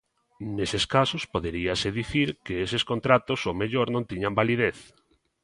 "Neses casos poderíase dicir que eses contratos ao mellor non tiñan validez".